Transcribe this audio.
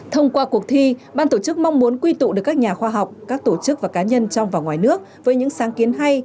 thông qua cuộc thi ban tổ chức mong muốn quy tụ được các nhà khoa học các tổ chức và cá nhân trong và ngoài nước với những sáng kiến hay